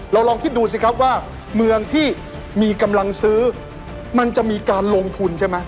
ลองคิดดูสิครับว่าเมืองที่มีกำลังซื้อมันจะมีการลงทุนใช่ไหม